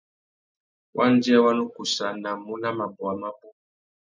Wandjê wa nu kussānamú nà mabôwa mabú.